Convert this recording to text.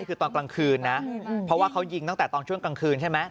คือตอนกลางคืนนะเพราะว่าเขายิงตั้งแต่ตอนช่วงกลางคืนใช่ไหม